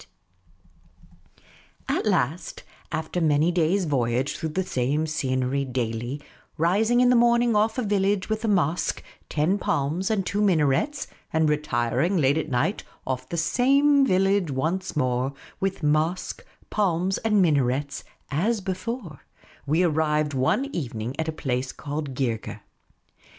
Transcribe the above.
I go Miss Cay ley's Adventures At last, after many days' voyage through the same scenery daily — rising in the morning off a village with a mosque, ten palms, and two minarets, and retiring late at night off the same village once more, with mosque, palms, and minarets, as before, da capo — we arrived one evening at a place called Geergeh.